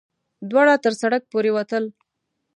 دواړه تر سړک پورې وتل.